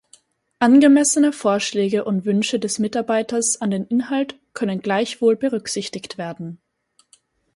Angemessene Vorschläge und Wünsche des Mitarbeiters an den Inhalt können gleichwohl berücksichtigt werden.